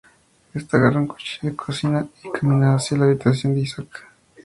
Ésta agarra un cuchillo de cocina y camina hacia la habitación de Isaac.